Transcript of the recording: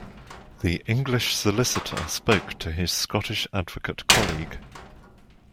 The English solicitor spoke to his Scottish advocate colleague